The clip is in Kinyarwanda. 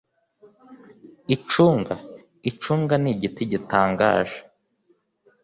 icunga, icunga ni igiti gitangaje,…